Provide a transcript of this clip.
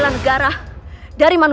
saya adalah takut denganmu